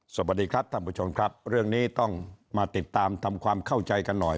สวัสดีครับท่านผู้ชมครับเรื่องนี้ต้องมาติดตามทำความเข้าใจกันหน่อย